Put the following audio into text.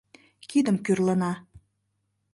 Кидым кӱрлына.